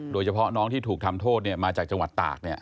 โดยเฉพาะน้องที่ถูกทำโทษมาจากจังหวัดตาก